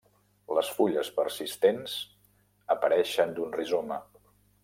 Les fulles persistents apareixen d'un rizoma.